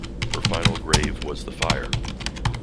Her final grave was the fire.